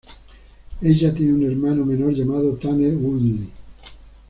Ella tiene un hermano menor llamado Tanner Woodley.